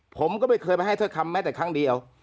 ผมก็ไม่เคยไปให้ถ้อยคำแม้แต่ครั้งเดียว